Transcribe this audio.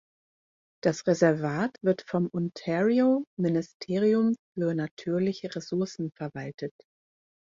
Das Reservat wird vom Ontario Ministerium für natürliche Ressourcen verwaltet.